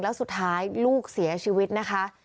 แล้วสุดท้ายลูกเสียชีวิตนะคะ